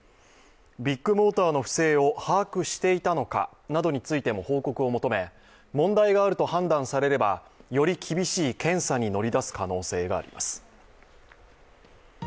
ビッグモーターの不正を把握していたのかなどについても報告を求め問題があると判断されればより厳しい検査に乗り出す可能性があります。